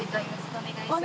お願いします！